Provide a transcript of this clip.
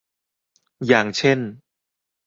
อย่างเช่น